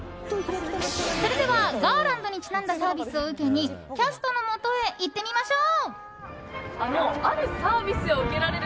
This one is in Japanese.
それでは、ガーランドにちなんだサービスを受けにキャストのもとへ行ってみましょう。